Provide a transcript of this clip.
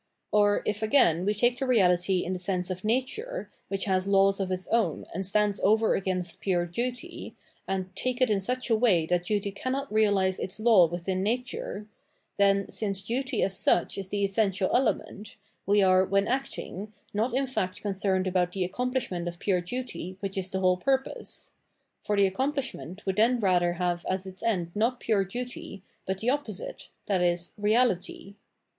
Or, if again we take the reality in the sense of nature, which has laws of its own and stands over against pure duty, and take it in such a way that duty cannot realise its law within nature, then, since duty as such is the essential element, we are, when acting, not in fact concerned about the accomplishment of pure duty which is the whole pur pose ; for the accomplishment would then rather have as its end not pure duty, but the opposite, viz. reality.